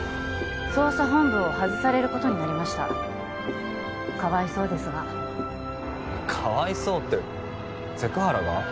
捜査本部を外されることになりましたかわいそうですがかわいそうってセク原が？